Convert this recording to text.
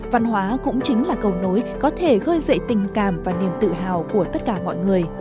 văn hóa cũng chính là cầu nối có thể gơi dậy tình cảm và niềm tự hào của tất cả mọi người